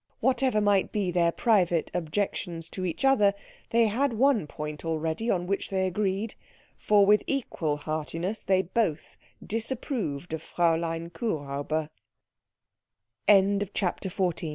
Whatever might be their private objections to each other, they had one point already on which they agreed, for with equal heartiness they both disapproved of Fräulein Kuhräuber. CHAPTER XV